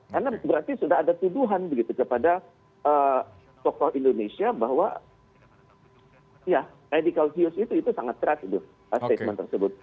karena berarti sudah ada tuduhan begitu kepada tokoh indonesia bahwa radical views itu sangat keras itu